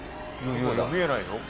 見えないよ。